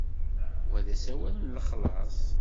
Wa d asawal n lexlaṣ.